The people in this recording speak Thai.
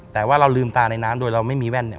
แต่ว่าเราลืมตาในน้ำโดยเราไม่มีแว่นเนี่ย